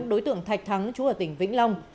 đối tượng thạch thắng chú ở tỉnh vĩnh long